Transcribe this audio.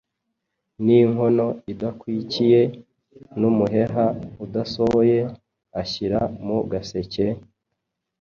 n'inkono idakwikiye, n'umuheha udasohoye, ashyira mu gaseke,